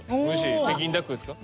北京ダックですか？